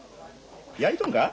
やいとんか？